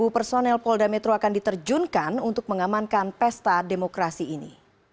dua puluh personel polda metro akan diterjunkan untuk mengamankan pesta demokrasi ini